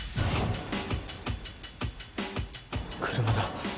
車だ。